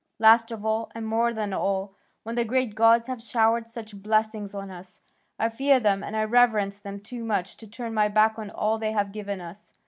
Last of all, and more than all, when the great gods have showered such blessings on us, I fear them and I reverence them too much to turn my back on all they have given us.